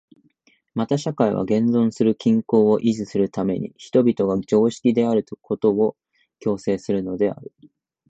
また社会は現存する均衡を維持するために人々が常識的であることを強制するのである。